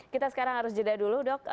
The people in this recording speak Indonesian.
kita sekarang harus jeda dulu dok